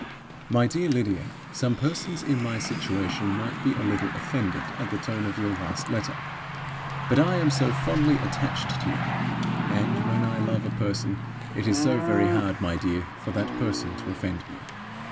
"MY DEAR LYDIA Some persons in my situation might be a little offended at the tone of your last letter. But I am so fondly attached to you! And when I love a person, it is so very hard, my dear, for that person to offend me!